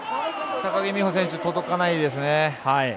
高木選手届かないですね。